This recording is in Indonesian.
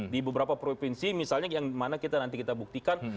di beberapa provinsi misalnya yang mana nanti kita buktikan